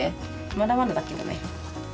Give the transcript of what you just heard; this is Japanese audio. まだまだだけどね。